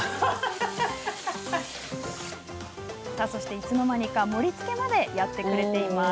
いつの間にか、盛りつけまでやってくれています。